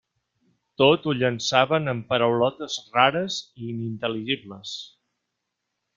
Tot ho llançaven amb paraulotes rares i inintel·ligibles.